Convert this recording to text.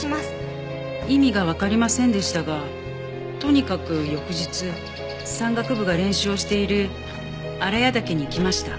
意味がわかりませんでしたがとにかく翌日山岳部が練習をしている荒谷岳に行きました。